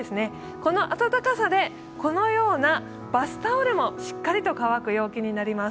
この暖かさでこのようなバスタオルもしっかりと乾く陽気になります。